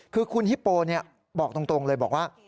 คือคุณฮิปโปบอกตรงเลยบอกว่า